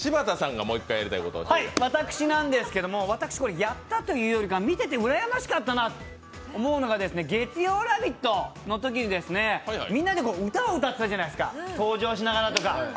私なんですけれども、やったというよりか、見ててうらやましかったなと思うのは、月曜「ラヴィット！」のときにみんなで歌を歌ってたじゃないですか、登場しながらとか。